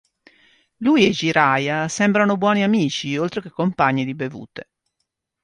Lui e Jiraiya sembrano buoni amici, oltre che compagni di bevute.